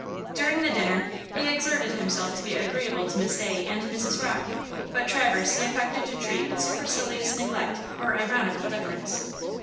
During the dinner he exerted himself to be agreeable to Miss Day and Mrs. Rocke, but Traverse he affected to treat with supercilious neglect or ironical deference.